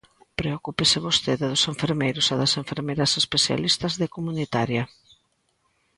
Preocúpese vostede dos enfermeiros e das enfermeiras especialistas de comunitaria.